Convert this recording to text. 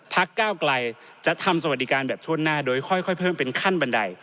พักก้าวกลายจะทำสวัสดิกาแบบช่วนหน้าโดยค่อยเป็นขั้นบั้นใด